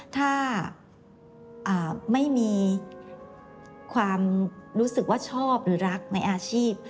ถ้าไม่มีความรู้สึกว่าชอบหรือรักในอาชีพ